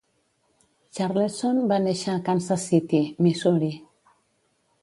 Charleson va néixer a Kansas City, Missouri.